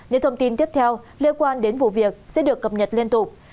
những thông tin tiếp theo liên quan đến vụ việc sẽ được cập nhật liên tục